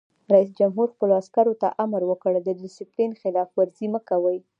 رئیس جمهور خپلو عسکرو ته امر وکړ؛ د ډسپلین خلاف ورزي مه کوئ!